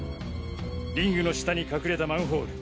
リングの下に隠れたマンホール。